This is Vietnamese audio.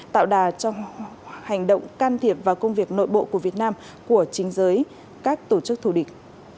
tạo đà cho hành động can thiệp vào công việc nội bộ của việt nam của chính giới các tổ chức thù địch